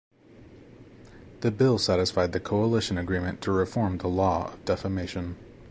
The bill satisfied the coalition agreement to reform the law of defamation.